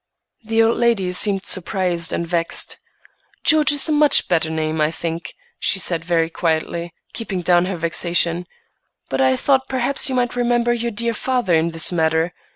The old lady seemed surprised and vexed. "George is a much better name, I think," she said very quietly, keeping down her vexation, "but I thought perhaps you might remember your dear father in this matter.